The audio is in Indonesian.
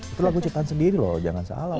itu lagu ciptaan sendiri loh jangan salah